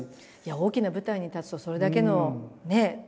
大きな舞台に立つとそれだけのね。